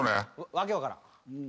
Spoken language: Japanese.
訳分からん。